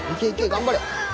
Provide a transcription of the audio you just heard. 頑張れ！